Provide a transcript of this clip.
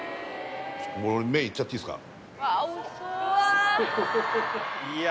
麺いっちゃっていいっすか？